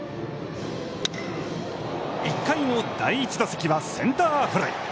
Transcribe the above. １回の第１打席はセンターフライ。